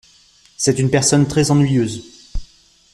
C’est une personne très ennuyeuse.